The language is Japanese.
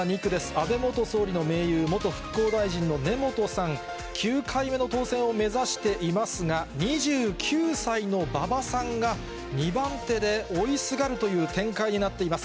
安倍元総理の盟友、元復興大臣の根本さん、９回目の当選を目指していますが、２９歳の馬場さんが、２番手で追いすがるという展開になっています。